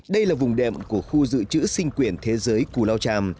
đây là vùng đệm của khu dự trữ sinh quyển thế giới cù lao tràm